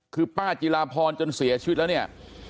คือป้าจิลาพรจนเสียชีวิตแล้วเนี่ย